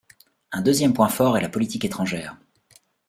Un deuxième point fort est la politique étrangère.